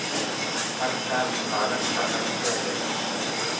هر کار مهارت ته اړتیا لري.